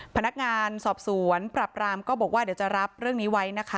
พนักงานสอบสวนปรับรามก็บอกว่าเดี๋ยวจะรับเรื่องนี้ไว้นะคะ